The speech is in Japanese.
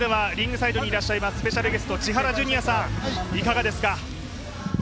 スペシャルゲスト、千原ジュニアさんいかがですか。